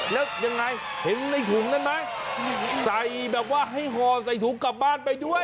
แล้วยังไงเห็นในถุงนั้นไหมใส่แบบว่าให้ห่อใส่ถุงกลับบ้านไปด้วย